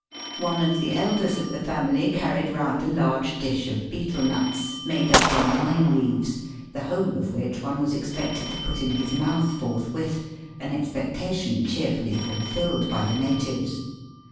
One of the elders of the family carried round a large dish of betel nuts, made up in lime leaves, the whole of which one was expected to put in his mouth forthwith, an expectation cheerfully fulfilled by the natives.